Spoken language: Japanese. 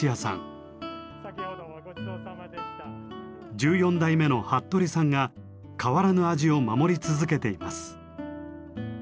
１４代目の服部さんが変わらぬ味を守り続けています。